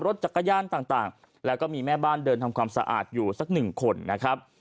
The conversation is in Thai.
รถจักรยานต่างแล้วก็มีแม่บ้านเดินทำความสะอาดอยู่สักหนึ่งคนนะครับ